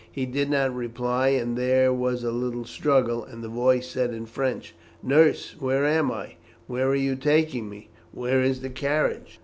He did not reply, and then there was a little struggle, and the voice said in French: "Nurse, where am I? Where are you taking me? Where is the carriage?"